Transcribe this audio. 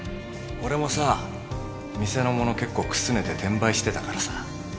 俺もさ店の物結構くすねて転売してたからさ。